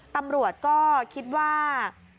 ตำรวจก็คิดว่า